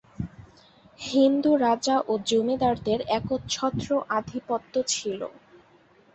হিন্দু রাজা ও জমিদারদের একচ্ছত্র আধিপত্য ছিল।